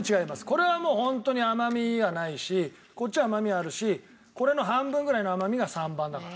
これはもうホントに甘みがないしこっちは甘みあるしこれの半分ぐらいの甘みが３番だから。